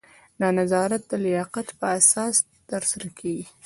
دا نظارت د لیاقت په اساس ترسره کیږي.